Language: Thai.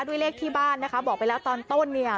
เลขที่บ้านนะคะบอกไปแล้วตอนต้นเนี่ย